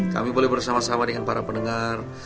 kami boleh bersama sama dengan para pendengar